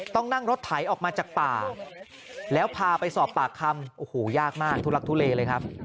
ต้องนั่งรถไถออกมาจากป่าแล้วพาไปสอบปากคำโอ้โหยากมากทุลักทุเลเลยครับ